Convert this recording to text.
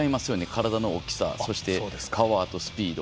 体の大きさ、パワーとスピード。